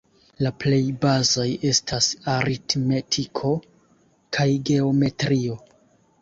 La plej bazaj estas aritmetiko kaj geometrio.